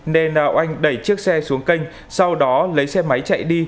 nên oanh đẩy chiếc xe xuống kênh sau đó lấy xe máy chạy đi